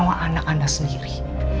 anak anda sendiri